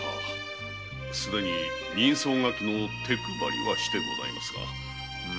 「人相書き」の手配りはしてございますが。